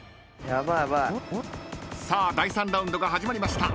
［さあ第３ラウンドが始まりました。